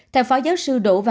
theo phó giáo sư đỗ văn văn